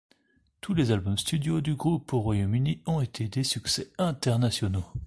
Tous les albums studio du groupe au Royaume-Uni ont été des succès internationaux.